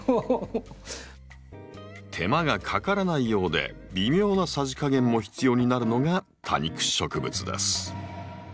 手間がかからないようで微妙なさじ加減も必要になるのが多肉植物です。